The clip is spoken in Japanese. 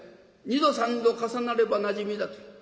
二度三度重なればなじみだと。